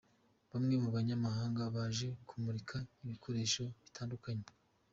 Bamwe mu banyamahanga baje kumurika ibikoresho bitandukanye.